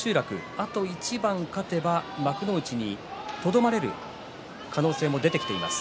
あと一番勝てば幕内にとどまれる可能性も出てきています。